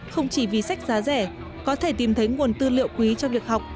không chỉ vì sách giá rẻ có thể tìm thấy nguồn tư liệu quý cho việc học